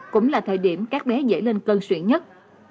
cũng là thời điểm các bé dễ lên cân xuyển nhất